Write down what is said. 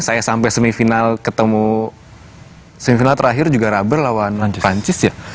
saya sampai semifinal ketemu semifinal terakhir juga rubber lawan perancis ya